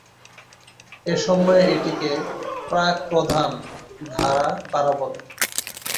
এসময় এটিকে প্রাক-প্রধান ধারা তারা বলে।